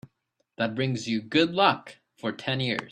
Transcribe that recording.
That brings you good luck for ten years.